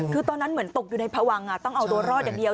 คือตอนนั้นเหมือนตกอยู่ในพวังต้องเอาตัวรอดอย่างเดียว